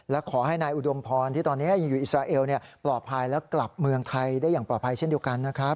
และขอให้นายอุดมพรที่ตอนนี้อยู่อิสราเอลปลอดภัยแล้วกลับเมืองไทยได้อย่างปลอดภัยเช่นเดียวกันนะครับ